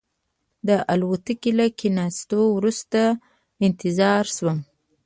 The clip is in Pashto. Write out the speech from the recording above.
د الوتکې له کېناستو وروسته انتظار شوم.